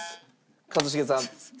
一茂さん。